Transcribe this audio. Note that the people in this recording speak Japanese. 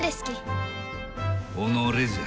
己じゃ。